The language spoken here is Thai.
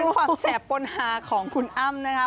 มีความแสบบนหาของคุณอ้ำนะค่ะ